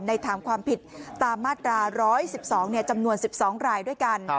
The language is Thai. ถามความผิดตามมาตรา๑๑๒จำนวน๑๒รายด้วยกัน